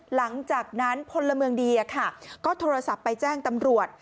หลังจากนั้นพลเมืองดีก็โทรศัพท์ไปแจ้งตำรวจ